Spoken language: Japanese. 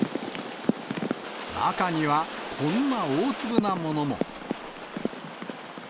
中にはこんな大粒なものも。